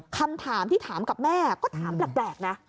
คำถามที่ถามกับแม่ก็ถามแปลกนะ